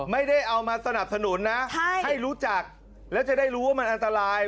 ไม่ได้เอามาสนับสนุนนะให้รู้จักแล้วจะได้รู้ว่ามันอันตราย